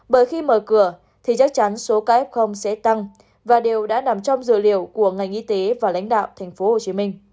bởi khi mở cửa thì chắc chắn số ca f sẽ tăng và đều đã nằm trong dự liệu của ngành y tế và lãnh đạo tp hcm